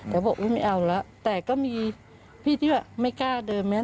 แต่บอกอุ๊ยไม่เอาแล้วแต่ก็มีพี่ที่ว่าไม่กล้าเดินไหม